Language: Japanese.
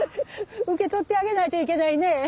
受け取ってあげないといけないね。